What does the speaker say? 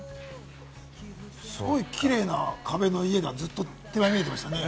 すごいキレイな壁の家がずっと見えてましたね。